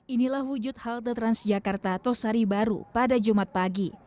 inilah wujud halte transjakarta tosari baru pada jumat pagi